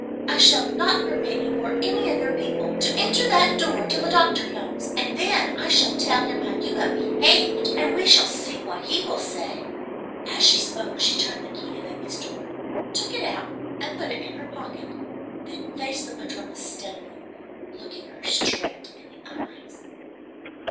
I shall not permit you or any of your people to enter that door till the doctor comes, and then I shall tell him how you have behaved, and we shall see what he will say." As she spoke she turned the key of Amy's door, took it out and put it in her pocket, then faced the padrona steadily, looking her straight in the eyes.